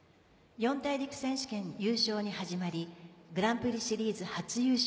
四大陸選手権優勝に始まりグランプリシリーズ初優勝。